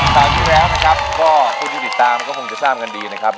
ตามที่แล้วนะครับก็คนที่ติดตามก็คงจะทราบกันดีนะครับ